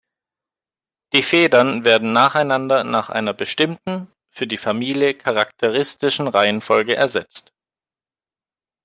Die Federn werden nacheinander nach einer bestimmten, für die Familie charakteristischen Reihenfolge ersetzt.